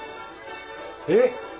えっ！